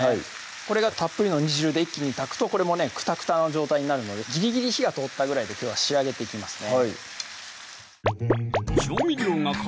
これがたっぷりの煮汁で一気に炊くとこれもねクタクタの状態になるのでぎりぎり火が通ったぐらいできょうは仕上げていきますね